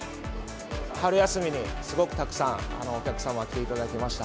春休みにすごくたくさんお客様、来ていただきました。